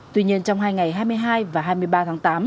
tuy nhiên trong hai ngày hai mươi hai và hai mươi ba tháng tám